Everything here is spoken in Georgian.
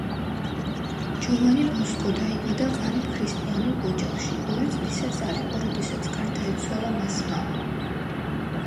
ჯოვანი ბოსკო დაიბადა ღარიბ ქრისტიანულ ოჯახში, ორი წლისაც არ იყო როდესაც გარდაეცვალა მას მამა.